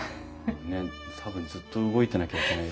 ねっ多分ずっと動いてなきゃいけない。